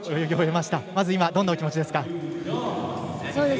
まずどんなお気持ちですか？